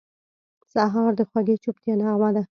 سهار د خوږې چوپتیا نغمه ده.